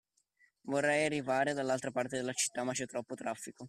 Vorrei arrivare dall'altra parte della città, ma c'è troppo traffico.